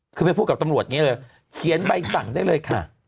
คือไปพูดกับตำรวจอย่างนี้เลยเขียนใบสั่งได้เลยค่ะ